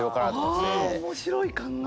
ああ面白い考え！